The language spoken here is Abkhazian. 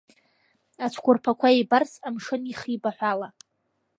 Ацәқәырԥақәа еибарс амшын ихибаҳәала…